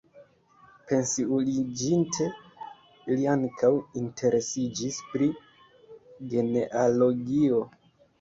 Pensiuliĝinte li ankaŭ interesiĝis pri genealogio.